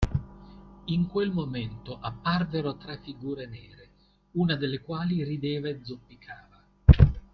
In quel momento apparvero tre figure nere, una delle quali rideva e zoppicava.